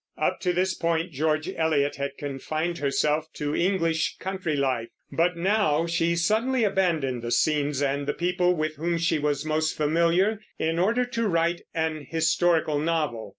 Up to this point George Eliot had confined herself to English country life, but now she suddenly abandoned the scenes and the people with whom she was most familiar in order to write an historical novel.